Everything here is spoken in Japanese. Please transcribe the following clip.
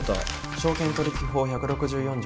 証券取引法１６４条